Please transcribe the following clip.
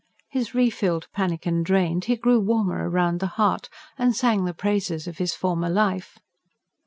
His re filled pannikin drained, he grew warmer round the heart; and sang the praises of his former life.